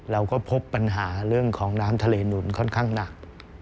เราก็พบปัญหาเรื่องของน้ำทะเลหนุนค่อนข้างหนัก